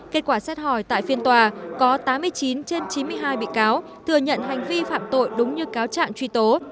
kết quả xét hỏi tại phiên tòa có tám mươi chín trên chín mươi hai bị cáo thừa nhận hành vi phạm tội đúng như cáo trạng truy tố